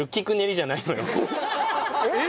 えっ！